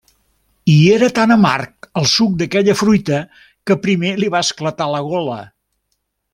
I era tan amarg el suc d'aquella fruita que primer li va esclatar la gola.